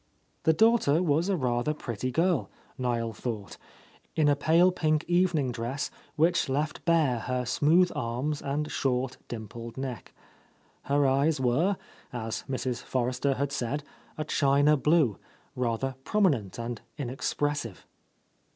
— 43 — A Lost Lady The daughter was a rather pretty girl, Niel thought, in a pale pink evening dress which left bare her smooth arms and short, dimpled neck. Her eyes were, as Mrs. Forrester had said, a china blue, rather prominent and inexpressive.